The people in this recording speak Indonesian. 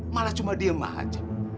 malah cuma diem aja